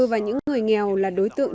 và những người nghèo là đối tượng